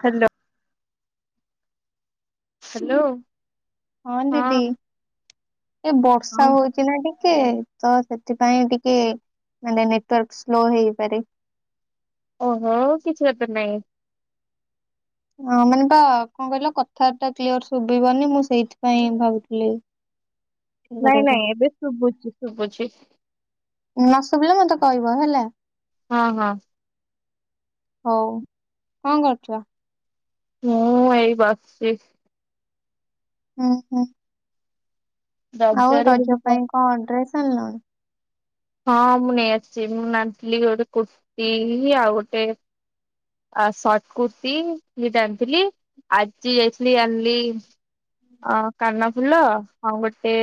Hello. Hello. ହଁ ଦିଦି ଏ ବର୍ଷା ହଁ। ହଉଛି ନା ଟି କେ ତ ସେଥିପାଇଁ ଟିକେ ମାନେ ନେଟୱାର୍କ ସ୍ଲୋ ହେଇପାରେ। ଓହୋ କିଛି କଥା ନାଇଁ। ହଁ ମାନେ ତ କଣ କହିଲ, କଥା ଟା କ୍ଲିୟର ଶୁଭିବନି ମୁଁ ସେଇଥିପାଇଁ ଭାବୁଥିଲି। ନାଇଁ, କରିବାକୁ ନାଇଁ, ଏବେ ଶୁଭୁଛି, ଶୁଭୁଛି। ନ ଶୁଭିଲ, ମତେ କହିବ ହେଲା। ହଁ, ହଁ। ହଉ କଣ କରୁଛ? ମୁଁ ଏଇ ବସିଛି। ହୁଁ, ହୁଁ। ଆଉ ରଜରେ ବୁଲି ରଜ ପ ପାଇଁ କଣ ଡ୍ରେସ ଆଣିଲଣି? ହଁ ମୁଁ ନେଇଆସିଛି, ମୁଁ ଆଣିଥିଲି ଗୋଟେ କୁର୍ତ୍ତିୀ ଆଉ ଗୋଟେ ଆ ସର୍ଟ କୁର୍ତ୍ତି, ଦିଟା ଆାଣିଥିଲି ଆଜି ଯାଇଥିଲି ଆଣିଲି। ଅ କାନ ଫୁଲ, ଆଉ ଗୋଟେ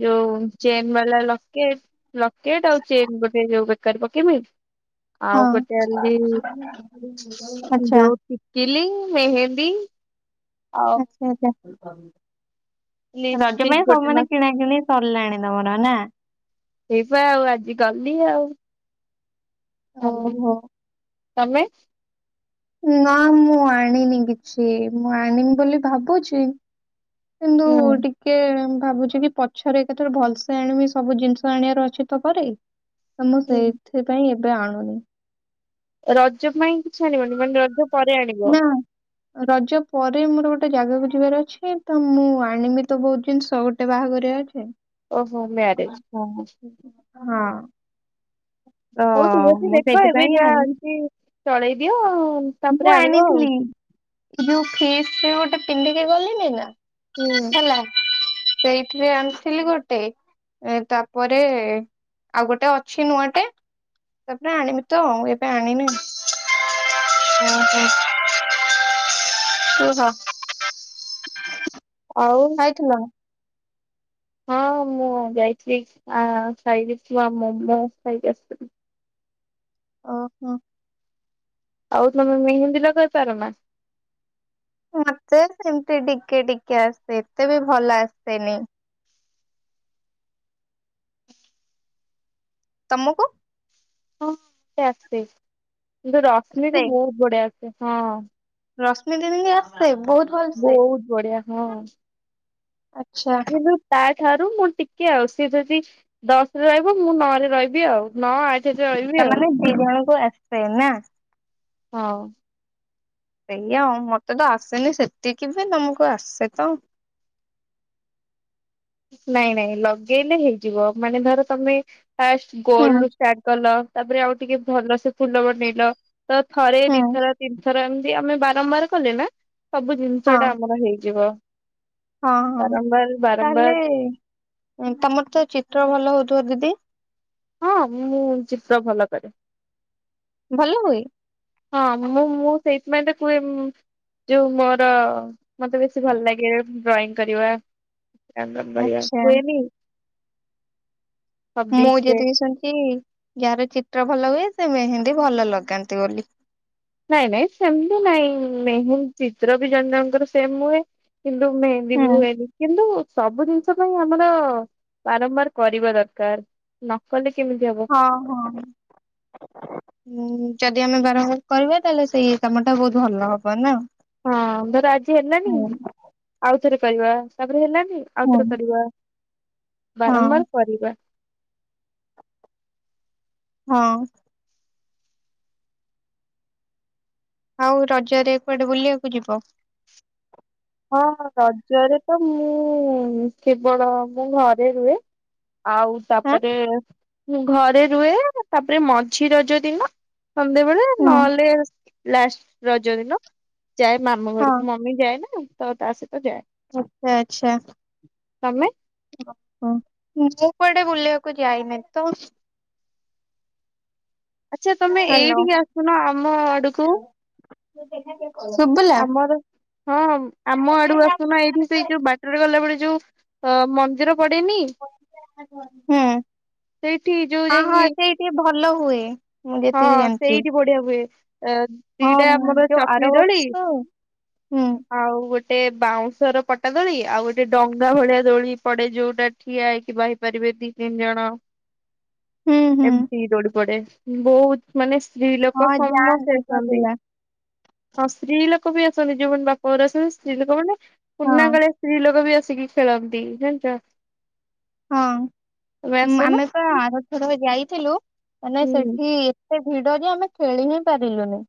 ଯୋଉ ଚେନ୍ ବାଲା ଲକେଟ ଲକେଟ, ଆଉ ଚେନ୍ ଗୋଟେ, ଯୋଉ ବେକରେ ପ କେମି ଆଉ ହଁ ଗୋଟେ ଆଣିଲି ଆଚ୍ଛା ଯୋଉ ଟିକିଲି, ମେହେନ୍ଦୀ ଆ ରଜ ଲିପଷ୍ଟିକ ପାଇଁ ଗୋଟେ ସବୁମାନେ କିଣା କିିଣି ସରିଲାଣି ତମର ନା। ଏଇପା ଆଉ ଆଜି ଗଲି ଆଉ। ଓହୋ ତମେ? ନା ମୁଁ ଆଣିନି କିଛି, ମୁଁ ଆଣିବି ବୋଲି ଭାବୁଚି। କିନ୍ତୁ ହୁଁ ଟିକେ ଟିକେ ଭାବୁଚି କି ପଛରେ କେତେବେଳେ ଭଲସେ ଆଣିବି ସବୁ ଜିନିଷ ଆଣିବାର ଅଛି ତପରେ। ତ ମୁଁ ସେଇଥିପାଇଁ ଏବେ ଆଣୁନି। ରଜ ପାଇଁ କିଛି ଆଣିବନି, ମାନେ ରଜ ପରେ ଆଣିବ। ନା ରଜ ପରେ ମୋର ଗୋଟେ ଜାଗାକୁ ଯିବାର ଅଛି, ତ ମୁଁ ଆଣିବି ତ ବହୁତ ଜିନିଷ ଗୋଟେ ଗୋଟେ ବାହାଘରିଆ ଅଛି। ଓହୋ ମ୍ୟାରେଜ ଓ ହୋ। ହଁ। ତ ହଉ ଠିକ ଅଛି ମୁଁ ଦେଖ ଏବେ ସେଇଥିପାଇଁ ଯାହା ଆଣିବି ଅଛି ଚଳେଇ ଦିଅ ଆଉ। ତାପରେ ମୁଁ ଆଣିବ ଆଣିଥିଲି, ଏ ଯୋଉ ଫେସ ରେ ଗୋଟେ ପିନ୍ଧିକ ଗଲେଣିି ନା। ହୁଁ। ହେଲା ସେଇଠରେ ଆଣିଥିଲି ଗୋଟେ। ଏ ତାପରେ ଆଉ ଗୋଟେ ଅଛି ନୂଆଟେ। ତାପରେ ଆଣିବି ତ ଆଉ ଏବେ ଆଣିନି। ଓହୋ। କୁହ। ଆଉ? ନା। ହଁ ମୁଁ ଯାଇଥିଲି, ଆ ଖାଇକ ଥିଲା ମୋମୋ ଖାଇକି ଆସିଥିଲି। ଅ ହ। ଆଉ ତମେ ମେହେନ୍ଦୀ ଲଗେଇ ପାର ନା? ମତେ ସେମିତି ଟିକେ ଟିକେ ଆସେ ଏତେ ବି ଭଲ ଆସେନି। ତମୁକୁ? ହଁ ସେ ଆସେ କିନ୍ତୁ ଆସେ ରଶ୍ମିକୁୁ ବହୁତ ବଢିଆ ଆସେ ହଁ। ରଶ୍ମି ଦିଦି ଙ୍କି ଆସେ ବହୁତ ଭଲସେ। ବହୁତ ବଢିଆ ହଁ ଆଚ୍ଛା, କିନ୍ତୁ ତାଠାରୁ ମୁଁ ଟିକେ ଆଉ ସିଏ ଯଦି ଦଶରେ ରହିବ ମୁଁ ନଅରେ ରହିବି ଆଉ। ନଅ ଆଠ ତାମାନେ ଦି ଜଣଙ୍କୁ ଆସେ ନା। ହଁ। ସେଇଆ ଆଉ, ମତେ ତ ଆସେନି ସେତିକି ବି ତମକୁ ଆସେ ତ। ନାଇଁ ନାଇଁ ଲଗେଇଲେ ହେଇଯିବ। ମାନେ ଧର ତମେ ଫାଷ୍ଟ ହୁଁ ଗୋଲରୁ- ଷ୍ଟାର୍ଟ କଲ ତାପରେ ଆଉ ଟିକେ ଭଲ ସେ ଫୁଲ ବନେଇଲ ତ ଥରେ ହୁଁ ଦିଥର ତିନିଥର ଏମିତି ଆମେ ବାରମ୍ବାର କଲେ ନା। ସବୁ ଜିନିଷ ହଁ ଟା ଆମର ହେଇଯିବ। ହଁ ହଁ ବାରମ୍ବାର ତାହେଲେ ବାରମ୍ବାର ତମର ତ ଚିତ୍ର ଭଲ ହଉଥିବ ଦିଦି। ହଁ ମୁଁ ଚିତ୍ର ଭଲ କରେ। ଭଲ ହୁଏ। ହଁ ମୁଁ ମୁଁ ସେଇଥିପାଇଁ ତ କୁହେ ଯୋଉ ମୋର- ମତେ ବେଶୀ ଭଲ ଲାଗେ ଡ୍ରଇଂ କରିବା ଆଚ୍ଛା [unintelligible] ମୁଁ ହବିସ ରେ ଯେତିକି ଶୁଣିଛି ଯାହାର ଚିତ୍ର ଭଲ ହୁଏ, ସେ ମେହନ୍ଦୀ ଭଲ ଲଗାନ୍ତି ବୋଲି। ନାଇଁ ନାଇଁ ସେମିତି ନାଇଁ ମେହେନ୍ଦ ଚିତ୍ର ବି ଜଣେ ଜଣଙ୍କର ସେମ୍ ହୁଏ। କିନ୍ତୁ ମେହେନ୍ଦୀ ହୁଁ ବି ହୁଏନି। କିନ୍ତୁ ସବୁ ଜିନିଷ ପାଇଁ ଆମର ବାରମ୍ବାର କରିବା ଦରକାର, ନ କଲେ କେମିତି ହବ? ହଁ ହଁ। ହୁଁ, ଯଦି ଆମେ ବାରମ୍ବାର କରିବା, ତାହେଲେ ସେଇ କାମ ଟା ବହୁତ ଭଲ ହବ ନା? ହଁ ଧର ଆଜି ହେଲାନି ହୁଁ ଆଉଥରେ କରିବା, ତାପରେ ହେଲାନି ଆଉଥରେ ହୁଁ। କରିବା। ହଁ ବାରମ୍ବାର କରିବା। ହଁ ଅଁ ଆଉ ରଜରେ କୁଆଡେ ବୁଲିବାକୁ ଯିବ? ହଁ ରଜରେ ତ ମୁଁ କେବଳ ମୁଁ ଘରେ ରୁହେ। ଆଉ ଆଁ? ତାପରେ ଘରେ ରୁହେ, ତାପରେ ମଝି ରଜ ଦିନ ସନ୍ଧ୍ୟାବେଳେ ହୁଁ। ନହେଲେ ଲାଷ୍ଟ ରଜ ଦିନ ଯାଏ ମାମୁ ହଁ ଘରକୁ, ମ ମୁଁ ଯାଏ ନା, ତ ତା ସହିତ ଯାଏ। ଆଛା ଆଛା। ତମେ ଓ ମୁଁ କୁଆଡେ ବୁଲିବାକୁ ଯାଏନି, ତ ଆଛା ତମେ ହ୍ୟାଲୋ। ଏଇଠିକି ଆସୁନ, ଆମ ଆଡକୁ। ଶୁଭିଲା? ଆମର ହଁ, ଆମ ଆଡୁ ଆସୁନା ଏଇଠି ସେଇ ଯୋଉ ବା- ଗଲାବେଳେ ଯୋଉ ଅ ମନ୍ଦିର ପଡେନି? ହୁଁ ସେଇଠି ଯୋଉ ହଁ ହଁ ଯାଇକି ସେଇ ଟିକେ ଭଲ ହୁଏ, ମୁଁ ହଁ ଯେତିକି ଜାଣିଛି। ସେଇଠି ବଢିଆ ହୁଏ, ଦିଟା ଆ ହଁ ମୋର ଯୋଉ ଚକ୍ରି ଆର ଦୋଳି। ବର୍ଷ ହୁଁ ଆଉ ଗୋଟେ ବାଉଁଶର ପଟା ଦୋଳି ଆଉ ଗୋଟେ ଡଙ୍ଗା ଭଳିଆ ଦୋଳି ପଡେ ଯୋଉଟା ଠିଆହେଇକି ବାହିପାରିବେ, ଦି ତିନି ଜଣ। ହୁଁ ହୁଁ। ଏମତି ଦୋଳି ପଡେ, ବହୁତ ମାନେ ସ୍ତ୍ରୀ ଲୋକ ହଁ ସମସ୍ତେ ଯାଆନ୍ତି ତ ଆସନ୍ତି, ପିଲା ହଁ ସ୍ତ୍ରୀ ଲୋକ ବି ଆସନ୍ତି ଯୋଉମାନେ ପର ଆସୁ ସ୍ତ୍ରୀ ଲୋକ ମାନେ, ହଁ ପୁରୁଣା କାଳିଆ ସ୍ତ୍ରୀ ଲୋକ ବି ଆସିକି ଖେଳନ୍ତି ଜାଣିଛ? ହଁ ତମେ ଆସୁନ। ଆମେ ତ ଆର ଥର ଯାଇଥିଲୁ, ମାନେ ହୁଁ ସେଠି ସେ ଭିଡରେ ଆମେ ଖେଳି ହିଁ ପାରିଲୁନି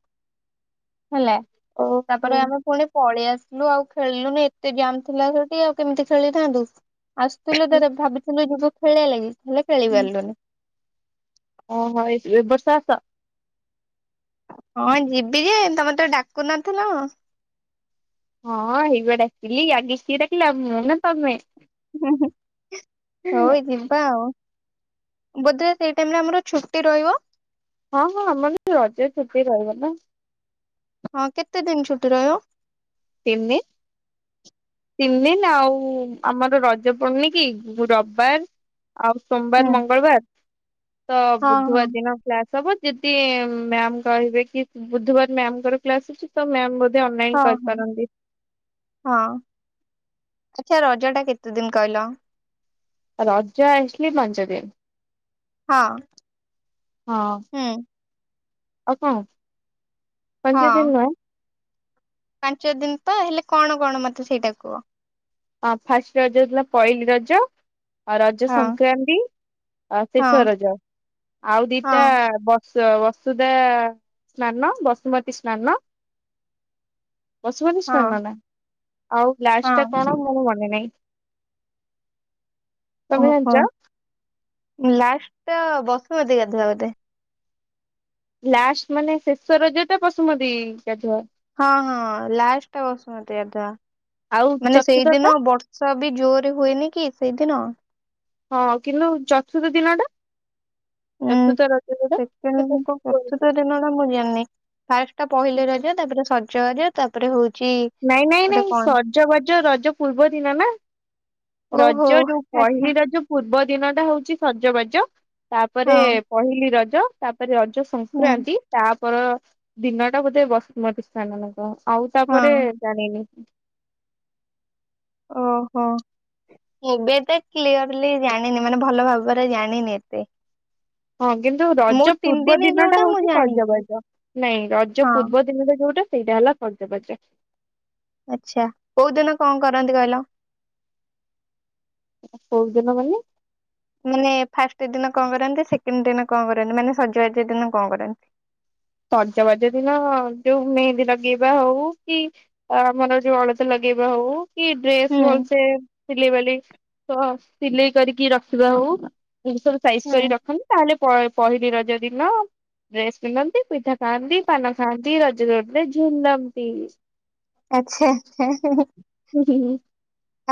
ହେଲା। ଓହୋ ତାପରେ ଆମେ ପୁଣି ପଳେଇ ଆସିଲୁ ଆଉ ଖେଳିଲୁନି ଏତେ ଜାମ୍ ଥିଲା ସେଠି ଆଉ କେମିତି ଖେଳିଥାନ୍ତୁ? ଆସୁଥିଲ ତାର ଭାବିଥିଲୁ ଯିବୁ ଖେଳଆ ଲାଗି, ହେଲେ ଖେଳି ପାରିଲୁନି। ଓହୋ, ଏ ବର୍ଷ ଆସ। ହଁ ଯିବି ଯେ, ତମେ ତ ଡାକୁନଥିଲ? ହଁ ହେଇବା ଡାକିଲି, ଆଗେ କିଏ ଡାକିଲା, ମୁଁ ନା ତମେ? ହଉ ଯିବା ଆଉ ବୋଧେ ସେଇ ଟାଇମରେ ଆମର ଛୁଟି ରହିବ। ହଁ ହଁ ଆମର ରଜ ଛୁଟି ରହିବ ନା। ହଁ କେତେ ଦିନ ଛୁଟି ରହିବ? ତିନି ତିନିଦିନ ଆଉ ଆମର ରଜ ପଡୁନି କି ରବିବାର। ଆଉ ସୋମବାର, ହୁଁ ମଙ୍ଗଳବାର ତ ହଁ ହଁ ବୁଧବାର ଦିନ କ୍ଲାସ ହବ? ଯଦି ମ୍ୟାମ କହିବେ କି ବୁଧବାର ମ୍ୟାମଙ୍କର କ୍ଲାସ ଅଛି ତ, ମ୍ୟାମ ବୋଧେ ହଁ ଅନଲାଇନ ହଁ କରନ୍ତି। ହଁ, ଆଛା, ରଜ ଟା କେତେ ଦିନ କହିଲ? ରଜ ଆସିଲି ପାଞ୍ଚଦିନ ହଁ ହଁ। ହୁଁ ଆଉ କଣ? ପାଞ୍ଚ ହଁ। ଦିନ ନୁହେଁ। ପାଞ୍ଚ ଦିନ ପା ହେଲେ, କଣ କଣ ମତେ ସେଇଟା କୁହ? ହଁ, ଫାଷ୍ଟ ରଜଥିଲା, ପହଲିି ରଜ। ଆ ରଜ ହଁ ସଂକ୍ରାନ୍ତି, ଆ ହଁ ଶେଷରଜ। ଆଉ ଦିଟା ହଁ ବ ସ ବସୁଧା-ଆ ସ୍ନାନ ବସୁମତୀ ସ୍ନାନ। ବସୁମତୀ ସ୍ନାନ ହଁ। ନା, ଆଉ ଲାଷ୍ଟ ଟା ହଁ କଣ ମୋ ମନେ ନାହିଁ? ତମେ ଓହୋ! ଜାଣିଛ ଲାଷ୍ଟ ଟା ବସୁମତୀ ଗାଧୁଆ ବୋଧେ! ଲାଷ୍ଟ, ମାନେ ଶେଷ ରଜଟା ବସୁମତୀ ଗାଧୁଆ! ହଁ, ହଁ, ଲାଷ୍ଟା ବସୁମତୀ ଗାଧୁଆ। ଆଉ ମାନେ ଚତୁର୍ଥ ଟା ସେଇଦିନ ବର୍ଷ ସବି ଜୋରେ ହୁଏନି କି ସେଇଦିନ? ହଁ, କିନ୍ତୁ ଚତୁର୍ଥ ଦିନ ଟା? ଉଁ ଚତୁର୍ଥ ରଜ ଯଉଟା, ସେକେଣ୍ଡ ସେଟାକୁ କଣ କୁହନ୍ତି? ଚତୁର୍ଥ ଦିନ ଟା ମୁଁ ଜାଣିନି? ଫାଷ୍ଟ ଟା ପହିଲ ରଜ, ତା'ପରେ ସଜବାଜ, ତା'ପରେ ହଉଛି ନାଇଁ, ନାଇଁ, ଗୋଟେ ନାଇଁ, କଣ ସଜବାଜ ରଜ ପୂର୍ବ ଦିନ ନା! ଓହୋ ରଜ ଯୋଉ ଆଚ୍ଛା ପହିଲି ରଜୁପ୍ ପୂର୍ବ ଦିନ ଟା ହଉଛି ସଜବାଜ। ତା'ପରେ ହଁ ପହିଲି ରଜ, ତା'ପରେ ରଜ ସ ହୁଁ ସଂକ୍ରାନ୍ତି, ତା'ପର ଦିନଟା ବୋଧେ ବସୁମତୀ ସ୍ନାନ ନା କଣ? ଆଉ, ହଁ ତା'ପରେ ଜାଣିନି? ଓହୋ। ମୁଁ ବି ଏତେ କ୍ଲିୟର୍ଲି ଜାଣିନି! ମାନେ ଭଲ ଭାବରେ ଜାଣିନି ଏତେ। ହଁ, କିନ୍ତୁ ମୁଁ ରଜ ତିନି ପୂର୍ବ ଦିନି ଦିନ ଟା ଯୋଉଟା ମୁଁ ହଉଛି ଜାଣିଛି ସଜବାଜ। ନାଇଁ, ରଜ ହଁ ପୂର୍ବ ଦିନଟା ଯୋଉଟା ସେଇଟା ହେଲା ସଜବାଜ। ଆଚ୍ଛା, କୋଉ ଦିନ କଣ କରନ୍ତି କହିଲ? କୋଉ ଦିନ ମାନେ? ମାନେ, ଫାଷ୍ଟ ଦିନ କଣ କରନ୍ତି? ସେକେଣ୍ଡ ଦିନ କଣ କରନ୍ତି? ମାନେ, ସଜବାଜ ଦିନ କଣ କରନ୍ତି? ସଜବାଜ ଦିନ ଯୋଉ, ମେହେନ୍ଦୀ ନଗେଇବା ହଉ, କି ଆମର ଯୋଉ ଅଳତା ଲଗେଇବା ହଉ କି, ଡ୍ରେସ୍ ହୁଁ ଭଲସେ ସିଲେଇ ବାଲେଇ ତ ସିଲେଇ କରିକି ରଖିବା ହଉ, ଇଁତି ସବୁ ସାଇଜ କରି ହୁଁ ରଖନ୍ତି। ତା, ହେଲେ ପ-ପହିଲି ରଜ ଦିନ ଡ୍ରେସ୍ ପିନ୍ଧନ୍ତି, ପିଠା ଖାଆନ୍ତି, ପାନ ଖାଆନ୍ତି, ରଜ ଦୋ ରେ ଝୁଲମ୍ ନ୍ତି। ଆଛା,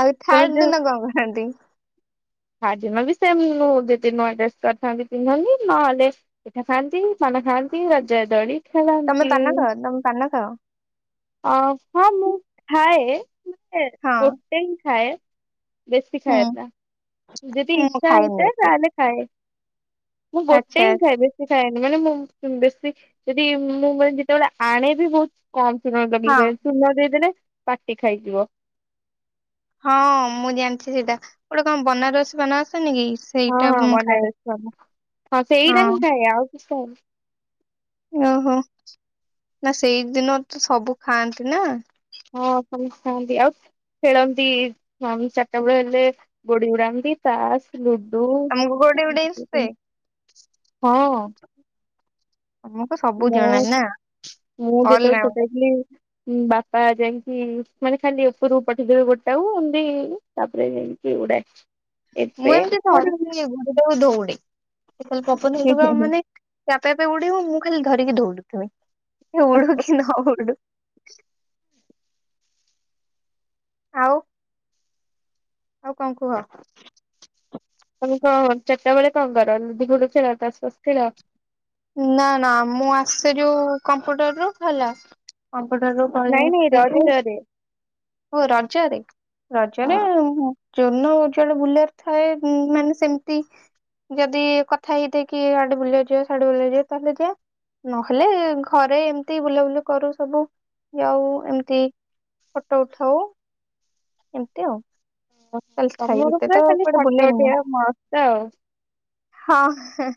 ଆଉ ତମେ ଥାର୍ଡ ଦିନ କଣ କରନ୍ତି? ଥାର୍ଡ଼ ଦିନବି ସେମନୁ ଯଦି ନୂଆ ଡ୍ରେସ୍ କରିଥାନ୍ତି, ପିନ୍ଧନ୍ତି ନହେଲେ ପିଠା ଖାଆନ୍ତି, ପାନ ଖାଆନ୍ତି, ରଜ ଦୋଳି ତମେ ଖେଳନ୍ତି। ପାନ ଖାଅ, ତମେ ପାନ ଖାଅ। ଅ ହଁ, ମୁଁ ଖାଏ-ଏ ହଁ ଗୋ [unintelligible] ଖାଏ ବେଶୀ ହୁଁ ଖାଏ ନା। ଯଦି ମୁଁ ଇଚ୍ଛା ଖାଏନି ହେଇଥାଏ। ତା, ଏତେ ହେଲେ ଖାଏ। ମୁଁ ଗୋଟେ ଆଚ୍ଛା ହିଁ ଖାଏ। ଆଚ୍ଛା ବେଶ ଖାଏନି। ମାନେ ମୁଁ ବେଶୀ ଯଦି, ମୁଁ ମାନେ ଯେତେବେଳେ ଆଣେ ବିି ବହୁତ କମ ଚୂନ ଲଗେଇକି ହଁ ଖାଏ। ଚୂନ ଦେଇଦେଲେ ପାଟି ଖାଇଯିବ। ହଁ, ମୁଁ ଜାଣିଛି ସେଇଟା। ଗୋଟେ କଣ ବନାରସ ପାନ ଆସେନିକି? ହଁ, ହଁ, ବନାରସ ପାନ। ହଁ ସେଇଟା ହିଁ ଖାଏ। ଆଉ କିଛି ଖାଏନି। ଓହୋ! ନା ସେଇଦିନ ତ ସବୁ ଖାଆନ୍ତି ନା। ହଁ ସମୁଖାନ୍ତି। ଆଉ ଖେଳନ୍ତି। ହଁ ଚାରିଟା ବେଳେ ହେଲେ, ଗୋଡି ଉଡାନ୍ତି, ତାସ, ଲୁ ଡୁ ତମକୁ ଗୋଟେ ଗୋଟେ ଆସେ? [inaudible] ହଁ। ତମକୁ ସବୁ ମୁଁ, ଜଣା ନା ମୁଁ ଯେତେବେଳେ ଛୋଟ ଅଲରାଉଣ୍ଡର ହେଇଥିଲି ବାପା ଯାଇଁକି, ମାନେ ଖାଲି ଉପରକୁ ପଠେଇଦେବେ ଗୁଡ଼ିଟାକୁ ଏମତି ତାପରେ ଏମତି ଉଡେ। ମୁଁ ଏମିତି ସରିି ଗୋଟେଟକୁ ଦୌଉଡେ ପପଲି ଆଉ ହେଲିଣି ମାନେ ସେ ଆପେ ଆପେ ଉଡିବୁ ମୁଁ ଖାଲି ଧରିକି ଦୌଡୁଥୁମି଼ ଉଡୁ କି ନ ଉଡୁ ଆଉ ଆଉ କଣ କୁହ? ତମ କଣ ଚାରିଟା ବେଳେ କଣ କର ଲୁଡୁ ଫୁଡ଼ୁ ଖେଳ ତାସ ଫାସ ଖେଳ? ନା ନା ମୁଁ ଆସଛୁ ରୁ କମ୍ପୁଟର ରୁ ହେଲା କମ୍ପଟର ରୁ ନାଇଁ ନାଇଁ [unintelligible] ହ ରଜରେ। ହ ରାଜ୍ୟରେ। ରଜରେ ହଁ ନା ଜର୍ନ ଉଜଳ ବୁଲାର ଥାଏ ମାନେ ସେମିତି। ଯଦି କଥା ହେଇଥା କି ଆଡେ ବୁଲିବା ଯିବ ଶାଢେ ବୁଲ ଯିବ ତାହେଲେ ଯା ନହେଲେ ଘରେ ଏମିତି ବୁଲାବୁଲି କରୁ ସବୁ ଯାଉ ଏମିତି ଫଟୋ ଉଠାଉ ଏମିତି ଆଉ ଚାଲିସ ତମର ଖାଇବତେ ପୁରା ତ ଖାଲି କୁଆଡେ ଫଟୋ ବୁଲେନି ମୁଁ ଉଠେଇବା ମସ୍ତ ଆଉ। ହଁ ହା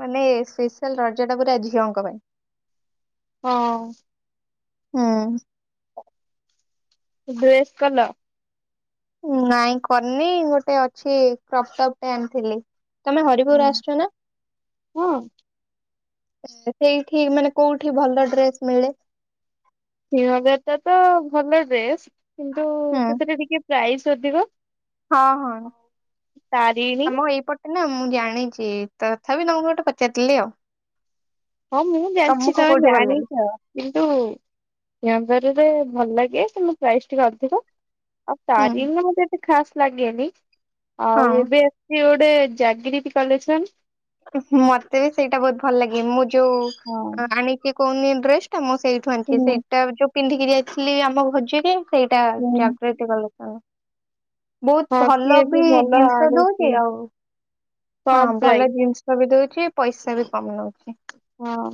ମାନେ ସ୍ପେଶାଲ ରଜା ଟା ପୁରା ଝିଅଙ୍କ ପାଇଁ। ହଁ ହୁ ଡ୍ରେସ୍ କଲ? ନାଇଁ କରିନି, ଗୋଟେ ଅଛି କ୍ରପ୍ ଟପ୍ ଟେ ଆଣିଥିଲି। ତମେ ହରିପୁର ହୁଁ। ଆସୁଛ ନା? ହଁ ସେଇଠି ମାନେ କୋଉଠି ଭଲ ଡ୍ରେସ ମିଳେ? [unintelligible] ବଜାରଟା ତ ଭଲ ଡ୍ରେସ କିନ୍ତୁ ହୁଁ। ସେଥିରେ ଟିକେ ପ୍ରାଇସ୍ ଅଧିକ। ହଁ ହଁ ତାରିଣୀ ଆମ ଏଇପଟ? ନା ମୁଁ ଜାଣିଛି ତଥାପି ତମକୁ ଗୋଟେ ପଚାରିଦେଲି ଆଉ। ହଁ ମୁଁ ଜାଣିଛି, ତମକୁ ତମେ କୋଉଠି ଭଲ ଲାଗେ? ଜାଣିଛ। କିନ୍ତୁ ୟଙ୍ଗରିରେ ଭଲ ଲାଗେ ତମ ପ୍ରାଇସ୍ ଟିକେ ଅଧିକ। ଆଉ ହୁଁ ତାରିଣୀରେ ମତେ ଏତେ ଖାସ ଲାଗେନି ହଁ। ଆଉ ଏବେ କି ଗୋଟେ ଜାଗ୍ରିତି କଲେକ୍ସନ? ମତେ ବି ସେଇଟା ବହୁତ ଭଲ ଲାଗେ ମୁଁ ଯୋଉ ହଁ। ଆଣିକି କହୁନି ଡ୍ରେସ ଟା ମୁଁ ସେଇ [unintelligible] ହୁଁ ସେଇଟା ଯୋଉ ପିନ୍ଧିକିରି ଯାଇଥିଲି ଆମ ଭୋଜିକି ସେଇଟା ହୁଁ ଜାଗୃତି କଲେକ୍ସନର। ହଁ ବହୁତ ଭଲ ସିଏ ବି ଭଲ ଜିନିଷ ଆଣୁଛି ଦଉଛି ଆଉ। ହଁ କମ୍ ଭଲ ପ୍ରାଇସ୍। ଜିନିଷ ବି ଦଉଛି ପଇସା ବି କମ ନଉଛି। ହଁ।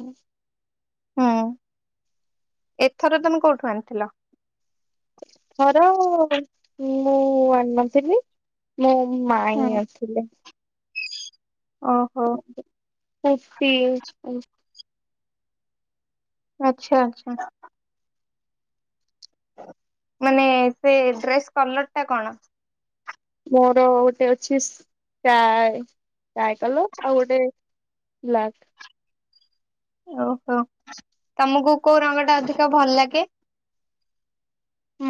ହୁଁ ଏଥର ତମେ କୋଉଠୁ ଆଣିଥିଲ? ମୋର ମୁଁ ଆଣିନଥିଲି ମୋ ହୁଁ ମାଇଁ ଆଣିଥିଲେ ଥିଲେ। ଓହୋ [unintelligible] ଆଚ୍ଛା ଆଚ୍ଛା। ମାନେ ସେ ଡ୍ରେସ୍ କଲର ଟା କଣ? ମୋର ଗୋଟେ ଅଛି ସ୍କାଏ ସ୍କାଏ କଲର ଆଉ ଗୋଟେ ବ୍ଲାକ। ଓହୋ ତମକୁ କୋଉ ରଙ୍ଗ ଟା ଅଧିକ ଭଲ ଲାଗେ?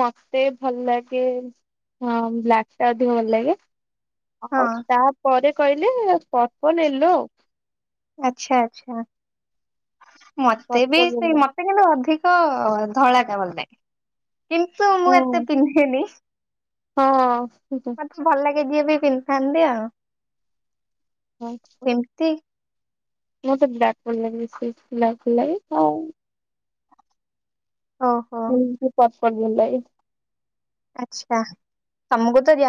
ମତେ ଭଲ ଲାଗେ ହଁ ବ୍ଲାକ୍ ଟା ଅଧିକ ଭଲ ଲାଗେ। ହଉ ହଁ ତାପରେ କହିଲେ ପର୍ପଲ୍, ୟେଲୋ ଆଉ। ଆଛା ଆଛା ମତେ ବି ପର୍ପଲ ସେଇ ୟେଲୋ ମତେ କିନ୍ତୁ ଅଧିକ ଧଳାଟା ଭଲ ଲାଗେ କିନ୍ତୁ ମୁଁ ହଁ। ଏତେ ପିନ୍ଧେନି। ହଁ। ମତେ ଭଲ ଲାଗେ ଯିଏ ବି ପିନ୍ଧିଥାନ୍ତି ଆଉ। ହଁ। ଏମିତି। ମୁଁ ତ ବ୍ଲାକ ଭଲ ଲାଗେ ବେଶି ବ୍ଲାକ ଭଲ ଲାଗେ ଆଉ, ଓହୋ ଏମିତି ପର୍ପଲ ଭଲ ଲାଗେ। ଆଛା ତମକୁ ତ ଯାହା